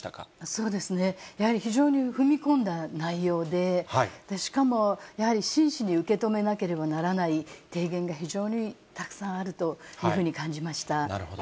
そうですね、やはり非常に踏み込んだ内容で、しかもやはり真摯に受け止めなければならない提言が非常にたくさんあるというふうに感じました。